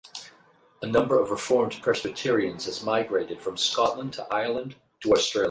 A number of Reformed Presbyterians had migrated from Scotland or Ireland to Australia.